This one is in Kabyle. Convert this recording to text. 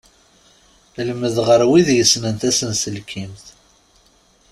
Lmed ɣer wid yessnen tasenselkimt.